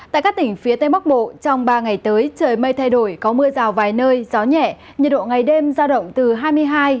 tại các tỉnh phía tây bắc bộ trong ba ngày tới trời mây thay đổi